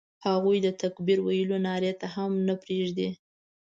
هغوی د تکبیر ویلو نارې ته هم نه پرېږدي.